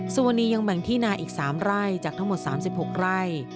สุวรรณียังแบ่งที่นาอีก๓ไร่จากทั้งหมด๓๖ไร่